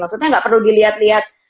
maksudnya nggak perlu dilihat lihat